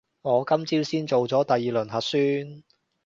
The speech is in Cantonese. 我今朝先做咗第二輪核酸